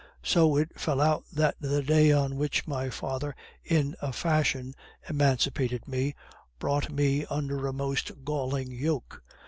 So it fell out that the day on which my father in a fashion emancipated me, brought me under a most galling yoke.